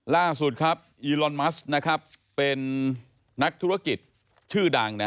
ล่าสุดครับอีลอนมัสเป็นนักธุรกิจชื่อดัง